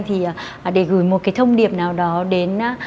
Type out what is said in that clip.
thì để gửi một cái thông điệp nào đó đến